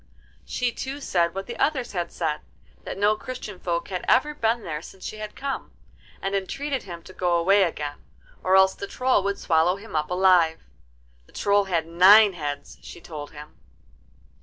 She too said what the others had said, that no Christian folk had ever been there since she had come, and entreated him to go away again, or else the Troll would swallow him up alive. The Troll had nine heads, she told him.